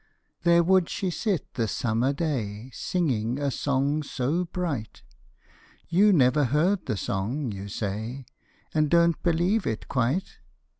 There would she sit the summer day, singing a song so bright; You never heard the song, you say, and don't believe it quite?